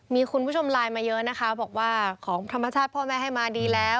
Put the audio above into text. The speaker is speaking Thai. มีคุณผู้ชมไลน์มาเยอะนะคะบอกว่าของธรรมชาติพ่อแม่ให้มาดีแล้ว